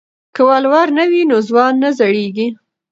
که ولور نه وي نو ځوان نه زړیږي.